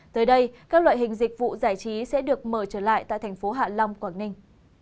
tới đây các loại hình dịch vụ giải trí sẽ được mở trở lại tại thành phố hạ long quảng ninh